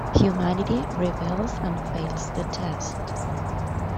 Humanity rebels and fails the test.